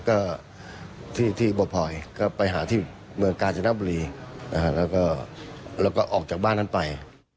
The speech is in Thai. ก็ที่ที่บทพรไปหาที่เมืองกาญจนบุรีนะฮะแล้วก็แล้วก็ออกจากบ้านนั้นไป